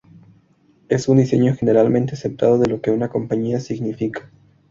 Es un diseño generalmente aceptado de lo que una compañía "significa".